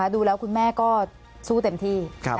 ดูแล้วคุณแม่ก็สู้เต็มที่